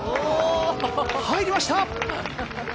入りました。